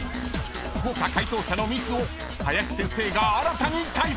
［豪華解答者のミスを林先生が新たに解説！］